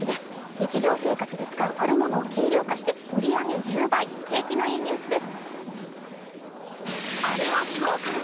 日常生活で使うあるものを軽量化して売り上げ１０倍、景気のいいニュースです。